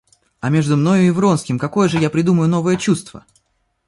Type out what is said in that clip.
А между мною и Вронским какое же я придумаю новое чувство?